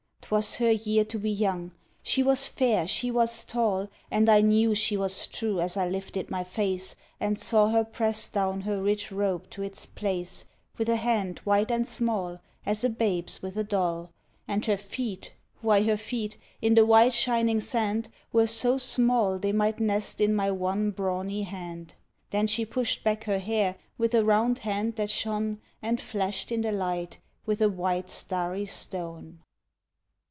‘Twas her year to be young. She was fair, she was tall And I knew she was true as I lifted my face And saw her press down her rich robe to its place With a hand white and small as a babe’s with a doll, And her feet why, her feet, in the white shining sand, Were so small they might nest in my one brawny hand. Then she pushed back her hair with a round hand that shone And flashed in the light with a white starry stone.